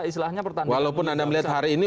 isilahnya pertandingan walaupun anda melihat hari ini